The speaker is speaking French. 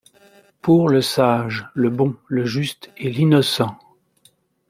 Pour le sage, le bon, le juste et l’innocent !